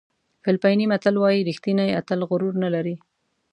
فلپیني متل وایي ریښتینی اتل غرور نه لري.